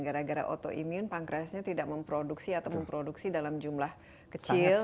gara gara autoimun pankresnya tidak memproduksi atau memproduksi dalam jumlah kecil